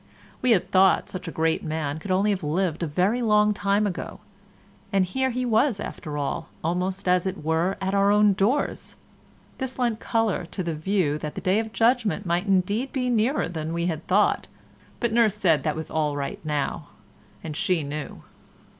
We had thought such a great man could only have lived a very long time ago, and here he was after all almost as it were at our own doors. This lent colour to the view that the Day of Judgement might indeed be nearer than we had thought, but nurse said that was all right now, and she knew.